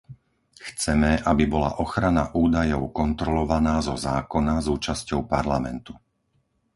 Chceme, aby bola ochrana údajov kontrolovaná zo zákona s účasťou parlamentu.